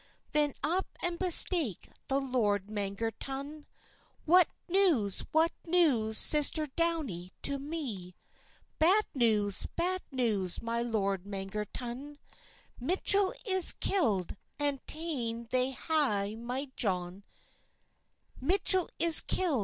Then up and bespake the lord Mangerton: "What news, what news, sister Downie, to me?" "Bad news, bad news, my lord Mangerton; Mitchel is killd, and tane they hae my son Johnie."